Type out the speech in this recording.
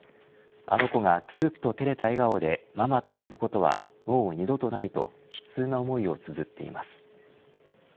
あの子がくすっと照れた笑顔でママって呼ぶことはもう二度とない、と悲痛な思いを綴っています。